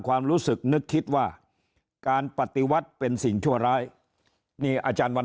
ความรู้สึกนึกคิดว่าการปฏิวัติเป็นสิ่งชั่วร้ายนี่อาจารย์วัน